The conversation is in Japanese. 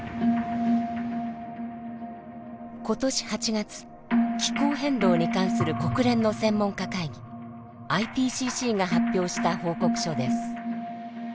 今年８月気候変動に関する国連の専門家会議ＩＰＣＣが発表した報告書です。